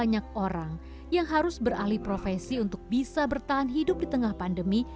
banyak orang yang harus beralih profesi untuk bisa bertahan hidup di tengah pandemi